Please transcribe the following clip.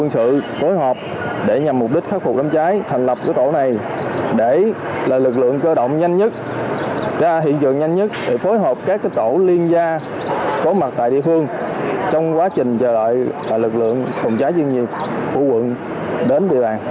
tổ phản ứng nhanh lực lượng vũ trang nhân dân của quận đến địa bàn